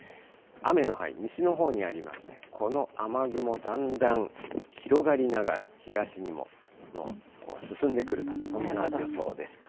雨の範囲、西のほうにありまして、この雨雲、だんだん広がりながら東にも進んでくると、そんな予想です。